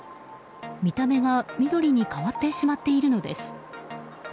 見た目が緑に変わってしまっているのです。